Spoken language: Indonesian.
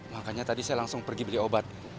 makanya tadi saya langsung pergi beli obat